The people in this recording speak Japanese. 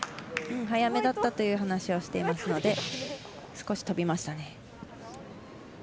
速めだったという話をしていますので少し飛びましたね。